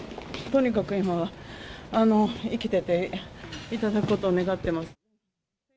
とにかく今は、生きてていただくことを願ってます。